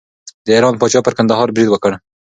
د ایران پاچا پر کندهار برید وکړ.